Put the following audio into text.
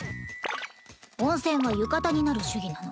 温泉は浴衣になる主義なの。